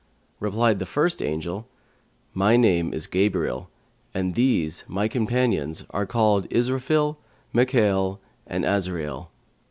Replied the first Angel, 'My name is Gabriel and these my companions are called Isrαfνl and Mνkα'νl and Azrα'νl.